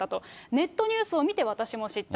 ネットニュースを見て、私も知った。